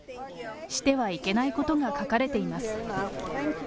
してはいけないことが書かれています。